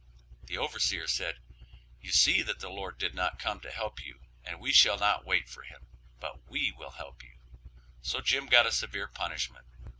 The overseer said "You see that the Lord did not come to help you and we shall not wait for him, but we will help you;" so Jim got a severe punishment.